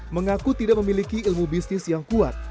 mengaku tidak memiliki ilmu bisnis yang kuat